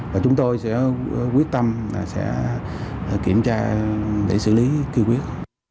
và chúng tôi sẽ quyết tâm kiểm tra để xử lý kỳ quyết